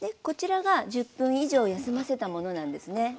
こちらが１０分以上休ませたものなんですね。